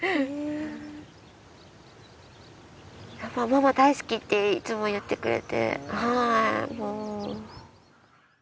やっぱり「ママ大好き」っていつも言ってくれてはい。